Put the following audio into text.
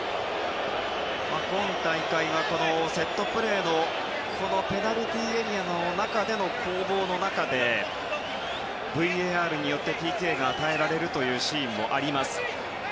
今大会はセットプレーのペナルティーエリアの中での攻防の中で、ＶＡＲでＰＫが与えられるというシーンもあります。